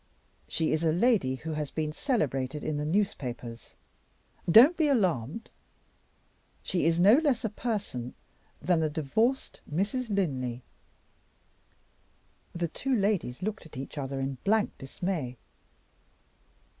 She is a lady who has been celebrated in the newspapers. Don't be alarmed. She is no less a person than the divorced Mrs. Linley." The two ladies looked at each other in blank dismay.